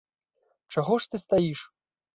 Чаго ж ты стаіш?